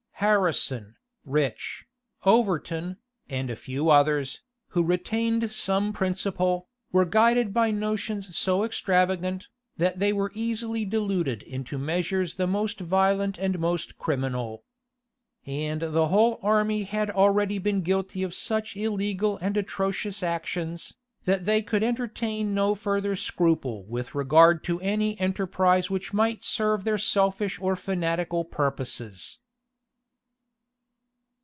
Harrison, Rich, Overton, and a few others, who retained some principle, were guided by notions so extravagant, that they were easily deluded into measures the most violent and most criminal. And the whole army had already been guilty of such illegal and atrocious actions, that they could entertain no further scruple with regard to any enterprise which might serve their selfish or fanatical purposes.